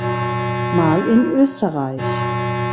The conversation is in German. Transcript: Mal in Österreich.